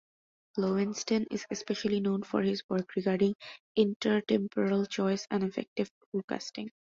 Loewenstein is especially known for his work regarding intertemporal choice and affective forecasting.